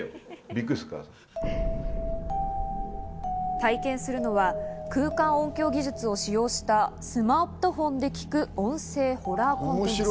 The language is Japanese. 体験するのは空間音響技術を使用したスマートフォンで聞く音声ホラーコンテンツ。